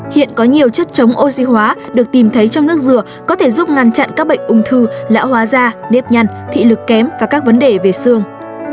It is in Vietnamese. hiện có nhiều chất chống oxy hóa được tìm thấy trong nước dừa có thể giúp ngăn chặn các bệnh ung thư lão hóa da nếp nhăn thị lực kém và các vấn đề về xương